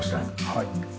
はい。